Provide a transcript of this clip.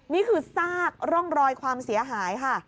นี่คือซากร่องรอยความเสียหายค่ะ